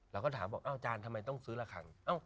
แล้วก็ถามบอกอ้าวจานทำไมต้องซื้อระคัง